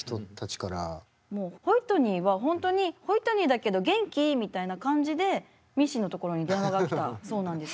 もうホイットニーは本当に「ホイットニーだけど元気？」みたいな感じでミッシーのところに電話が来たそうなんです。